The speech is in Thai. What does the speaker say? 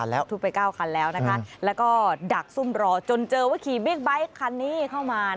แล้วก็ดักซุ่มรอจนเจอว่าขี่บิ๊กไบท์คันนี้เข้ามา